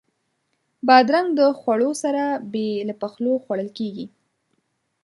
بادرنګ د خوړو سره بې له پخولو خوړل کېږي.